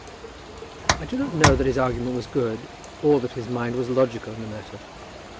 I do not know that his argument was good, or that his mind was logical in the matter.